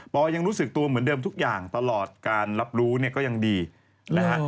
ยังรู้สึกตัวเหมือนเดิมทุกอย่างตลอดการรับรู้เนี่ยก็ยังดีนะฮะ